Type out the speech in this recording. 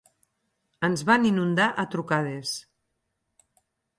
Ens van inundar a trucades.